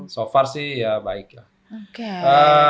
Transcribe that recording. so far sih ya baik ya oke